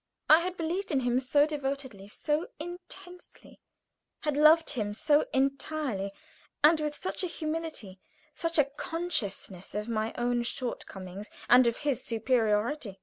I had believed in him so devotedly, so intensely, had loved him so entirely, and with such a humility, such a consciousness of my own shortcomings and of his superiority.